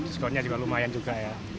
iya diskonnya juga lumayan juga ya